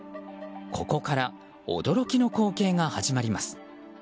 ここから驚きの光景が始まります。